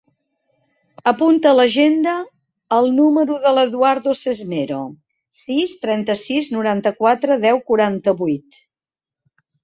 Apunta a l'agenda el número de l'Eduardo Sesmero: sis, trenta-sis, noranta-quatre, deu, quaranta-vuit.